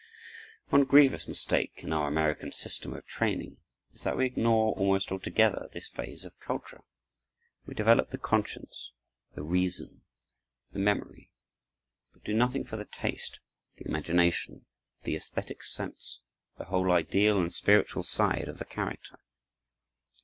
One grievous mistake in our American system of training is that we ignore almost altogether this phase of culture. We develop the conscience, the reason, the memory, but do nothing for the taste, the imagination, the esthetic sense, the whole ideal and spiritual side of the character.